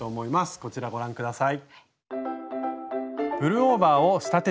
こちらご覧下さい。